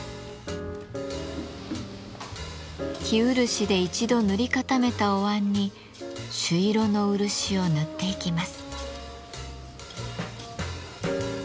生漆で一度塗り固めたおわんに朱色の漆を塗っていきます。